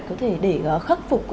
có thể để khắc phục